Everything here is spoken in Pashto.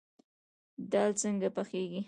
دال څنګه پخیږي؟